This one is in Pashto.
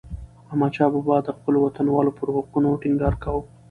احمدشاه بابا د خپلو وطنوالو پر حقونو ټينګار کاوه.